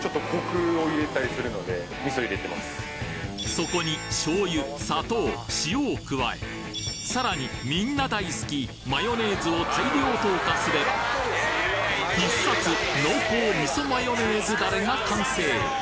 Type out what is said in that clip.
そこに醤油砂糖塩を加えさらにみんな大好きマヨネーズを大量投下すれば必殺濃厚が完成